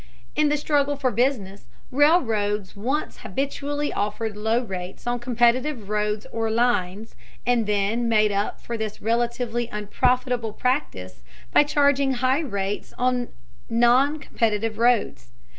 In the struggle for business, railroads once habitually offered low rates on competitive roads or lines, and then made up for this relatively unprofitable practice by charging high rates on non competitive roads.